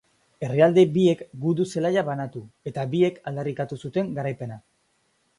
Herrialde biek gudu-zelaia banatu eta biek aldarrikatu zuten garaipena.